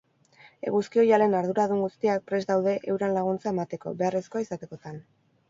Eguzki-oihalen arduradun guztiak prest daude euran laguntza emateko, beharrezkoa izatekotan.